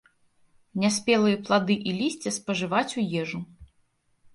Няспелыя плады і лісце спажываць у ежу.